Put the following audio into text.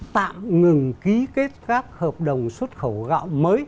tạm ngừng ký kết các hợp đồng xuất khẩu gạo mới